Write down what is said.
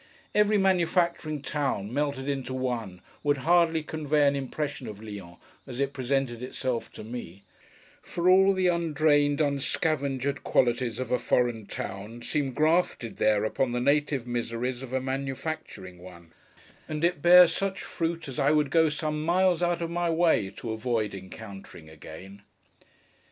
Every manufacturing town, melted into one, would hardly convey an impression of Lyons as it presented itself to me: for all the undrained, unscavengered qualities of a foreign town, seemed grafted, there, upon the native miseries of a manufacturing one; and it bears such fruit as I would go some miles out of my way to avoid encountering again.